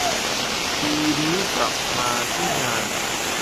ที่นี้กลับมาที่งาน